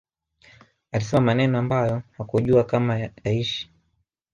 alisema maneno ambayo hakujua kama yataishi